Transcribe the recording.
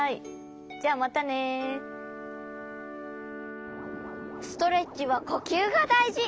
じゃあまたね。ストレッチはこきゅうがだいじ！